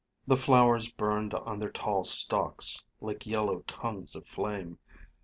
The flowers burned on their tall stalks like yellow tongues of flame.